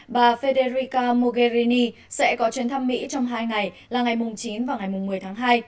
bà federica mogherini sẽ có chuyến thăm mỹ trong hai ngày là ngày chín và ngày một mươi tháng hai